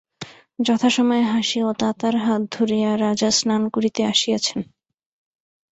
যথাসময়ে হাসি ও তাতার হাত ধরিয়া রাজা স্নান করিতে আসিয়াছেন।